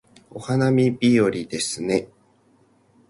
お花見日和ですね